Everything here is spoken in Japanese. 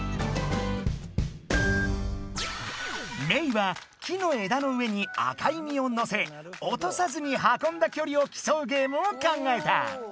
メイは木のえだの上に赤い実をのせおとさずにはこんだキョリをきそうゲームを考えた。